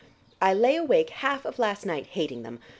I lay awake half of last night hating them.